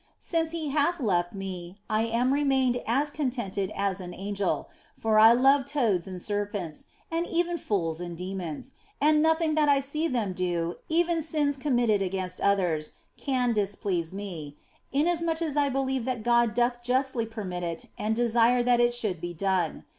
Since He hath left me I am remained as contented as OF FOLIGNO 181 an angel ; for I love toads and serpents, and even fools and demons, and nothing that I see them do, even sins committed against others, can displease me, inasmuch as I believe that God doth justly permit it and desire that it should be done.